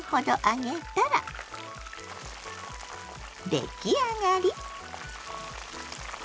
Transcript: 出来上がり！